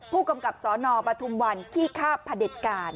ผู้กำกับสนปฐุมวันขี้คาบพระเด็จการ